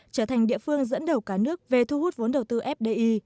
trở thành địa phương dẫn đầu cả nước về thu hút vốn đầu tư fdi